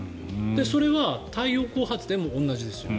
それは太陽光発電も同じですよ。